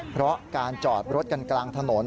เพราะการจอดรถกันกลางถนน